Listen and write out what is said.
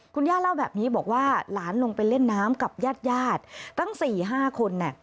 คุณย่าเล่าแบบนี้บอกว่าหลานลงไปเล่นน้ำกับญาติตั้ง๔๕คน